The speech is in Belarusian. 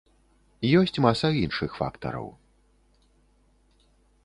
Ёсць маса іншых фактараў.